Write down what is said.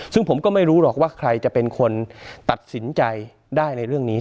ซึ่งผมก็ไม่รู้หรอกว่าใครจะเป็นคนตัดสินใจได้ในเรื่องนี้